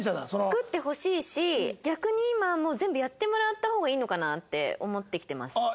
作ってほしいし逆に今は全部やってもらった方がいいのかなって思ってきてます。